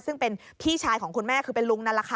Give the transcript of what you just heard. ซึ่งเป็นพี่ชายของคุณแม่คือเป็นลุงนั่นแหละค่ะ